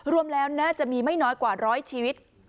รวมแล้วน่าจะมีไม่น้อยกว่าร้อยชีวิต